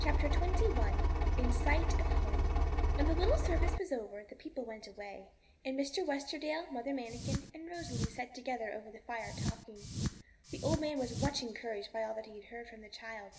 CHAPTER XXI IN SIGHT OF HOME When the little service was over, the people went away, and Mr. Westerdale, Mother Manikin, and Rosalie sat together over the fire talking. The old man was much encouraged by all that he heard from the child.